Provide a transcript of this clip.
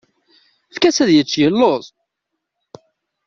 Efk-as ad yečč, yeluẓ.